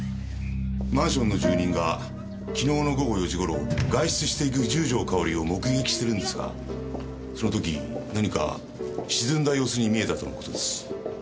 マンションの住人が昨日の午後４時頃外出していく十条かおりを目撃してるんですがその時何か沈んだ様子に見えたとの事です。